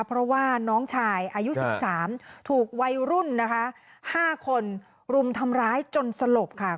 เพราะว่าน้องชายอายุ๑๓ถูกวัยรุ่นนะคะ๕คนรุมทำร้ายจนสลบค่ะ